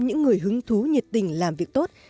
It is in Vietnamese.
những người hứng thú nhiệt tình làm việc tốt